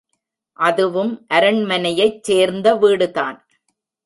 அதுவும் அரண்மனையைச் சேர்ந்த வீடுதான்.